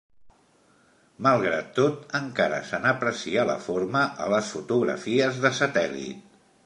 Malgrat tot, encara se n'aprecia la forma a les fotografies de satèl·lit.